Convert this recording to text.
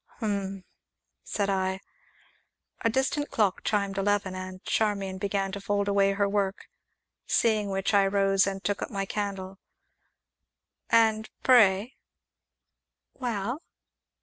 "Hum!" said I. A distant clock chimed eleven, and Charmian began to fold away her work, seeing which, I rose, and took up my candle. "And pray " "Well?"